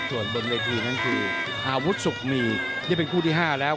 ส่วนบนเวทีนั้นคืออาวุธสุขมีนี่เป็นคู่ที่๕แล้ว